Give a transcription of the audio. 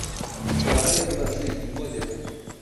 此栏列出的是已停播节目。